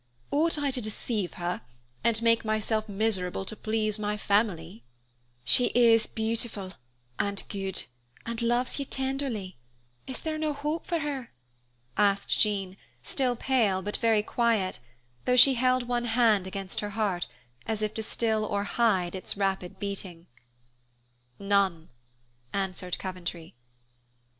Ought I to deceive her, and make myself miserable to please my family?" "She is beautiful and good, and loves you tenderly; is there no hope for her?" asked Jean, still pale, but very quiet, though she held one hand against her heart, as if to still or hide its rapid beating. "None," answered Coventry.